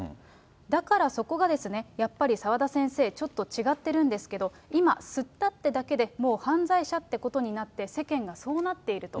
だからそこがですね、やっぱり澤田先生、ちょっと違ってるんですけど、今、吸ったってだけで、もう犯罪者ってことになって、世間がそうなっていると。